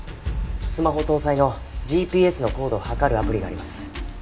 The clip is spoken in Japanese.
スマホ搭載のＧＰＳの高度を測るアプリがあります。